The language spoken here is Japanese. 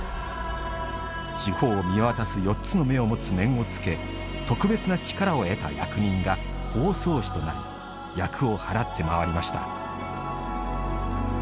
四方を見渡す４つの目を持つ面を着け特別な力を得た役人が方相氏となり厄を払って回りました。